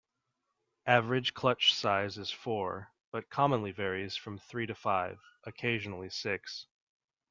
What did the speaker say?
Average clutch size is four, but commonly varies from three to five, occasionally six.